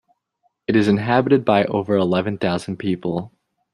It is inhabited by over eleven thousand people.